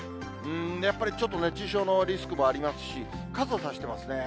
やっぱりちょっと熱中症のリスクもありますし、傘差してますね。